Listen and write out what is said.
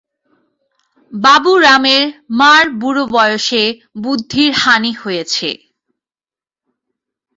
বাবুরামের মার বুড়োবয়সে বুদ্ধির হানি হয়েছে।